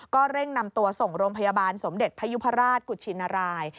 เร่งนำตัวส่งโรงพยาบาลสมเด็จพยุพราชกุชินราย